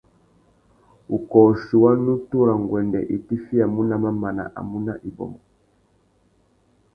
Wukôchi wa nutu râ nguêndê i tifiyamú nà mamana a mú nà ibômô.